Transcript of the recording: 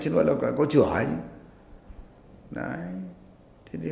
chứ nó có chửa hay gì